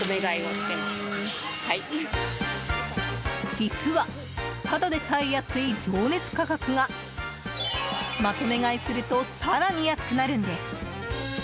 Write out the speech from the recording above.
実は、ただでさえ安い情熱価格がまとめ買いすると更に安くなるんです。